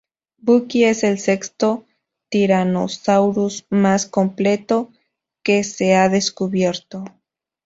Bucky es el sexto "Tyrannosaurus" más completo que se ha descubierto.